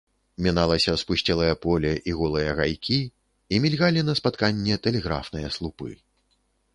Міналася спусцелае поле і голыя гайкі, і мільгалі на спатканне тэлеграфныя слупы.